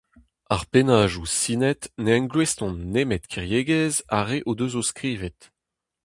Ar pennadoù sinet ne engouestlont nemet kiriegezh ar re o deus o skrivet.